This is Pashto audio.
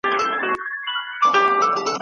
دا ربات یې دی هېر کړی له پېړیو